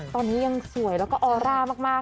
ตอนนี้ยังสวยแล้วก็ออร่ามาก